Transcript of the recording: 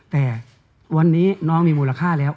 แต่วันนี้น้องมีมูลค่าแล้ว